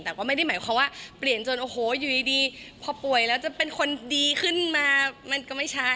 แต่ก็ไม่ได้หมายความว่าเปลี่ยนจนโอ้โหอยู่ดีพอป่วยแล้วจะเป็นคนดีขึ้นมามันก็ไม่ใช่